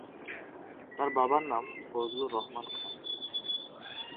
তার বাবার নাম ফজলুর রহমান খান।